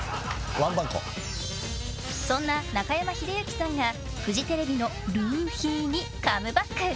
そんな中山秀征さんがフジテレビのルーヒーにカムバック！